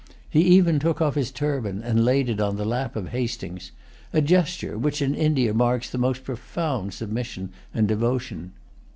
He even took off his turban, and laid it in the lap of Hastings, a gesture which in India marks the most profound submission and devotion.